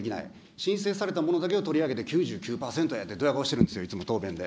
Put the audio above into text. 申請されたものだけを取り上げて９９％やってどや顔しているんですよ、答弁で。